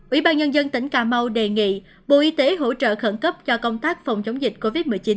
ubnd tỉnh cà mau đề nghị bộ y tế hỗ trợ khẩn cấp cho công tác phòng chống dịch covid một mươi chín